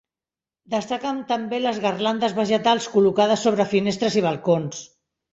Destaquen també les garlandes vegetals col·locades sobre finestres i balcons.